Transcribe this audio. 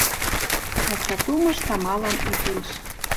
Ӓтя тумыш тамалан изиш...